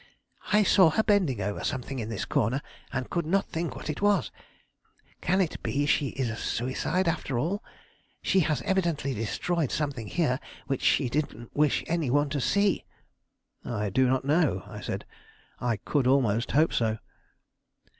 "I saw her bending over something in this corner, and could not think what it was. Can it be she is a suicide after all? She has evidently destroyed something here which she didn't wish any one to see." "I do not know," I said. "I could almost hope so."